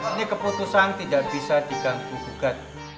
ini keputusan tidak bisa digantung gantung